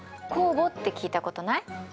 酵母って聞いたことない？